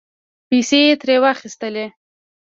پیسې یې ترې واخستلې